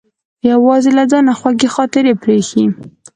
یوازې له ځانه خوږې خاطرې پرې ایښې.